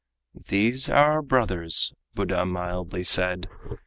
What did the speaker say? "These are our brothers," Buddha mildly said.